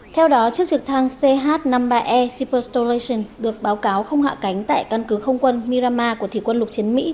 theo đó chiếc trực thăng ch năm mươi ba e superstolation được báo cáo không hạ cánh tại căn cứ không quân mirama của thủy quân lục chiến mỹ